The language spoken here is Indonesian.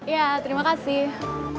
ya terima kasih